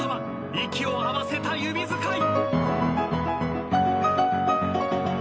息を合わせた指遣い。